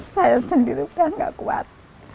saya sendiri kan gak kuat